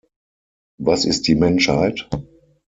Was ist die Menschheit?